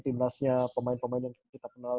timnasnya pemain pemain yang kita kenal